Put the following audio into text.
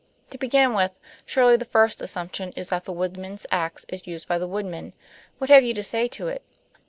To begin with, surely the first assumption is that the woodman's ax is used by the Woodman. What have you to say to it?"